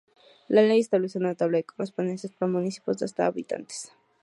La ley establece una tabla de correspondencias para municipios de hasta habitantes.